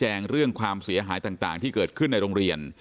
เรื่องความเสียหายต่างที่เกิดขึ้นในโรงเรียน